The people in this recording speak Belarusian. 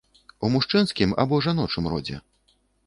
У мужчынскім або жаночым родзе?